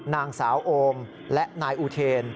นางสาวโอมและนายอูเทน